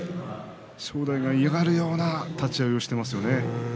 正代が嫌がるような立ち合いをしていますね。